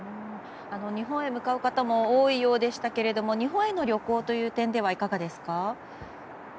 日本へ向かう方も多いようでしたが日本への旅行という点ではいかがですか？